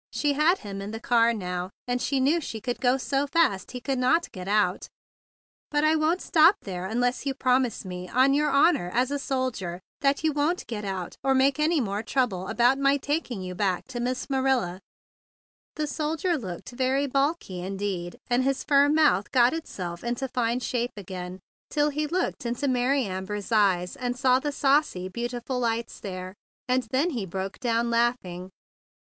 She had him in the car now, and she knew that she could go so fast he could not get out. "But I shall not stop there until you promise me on your honor as a soldier that you will not get out or make any more trouble about my taking you back to Miss Manila," The soldier looked very balky indeed, and his firm mouth got itself into fine shape again, till he looked into Mary Amber's eyes and saw the saucy, beau¬ tiful lights there; and then he broke down laughing.